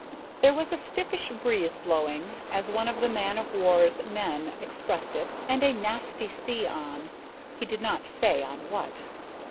There was a stiffish breeze blowing, as one of the man of war's men expressed it and "a nasty sea on" he did not say on what.